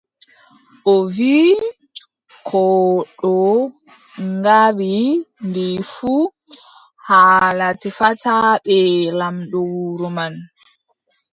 O wii, kooɗo ngaari ndi fuu, haala tefata bee laamɗo wuro man.